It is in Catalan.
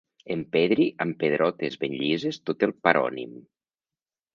Empedri amb pedrotes ben llises, tot el parònim.